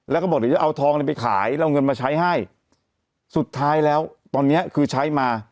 แล้วก็บอกเดี๋ยวจะเอาทองเนี่ยไปขายแล้วเงินมาใช้ให้สุดท้ายแล้วตอนเนี้ยคือใช้มา